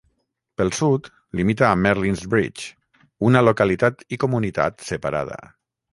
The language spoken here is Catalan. Pel sud, limita amb Merlin's Bridge, una localitat i comunitat separada.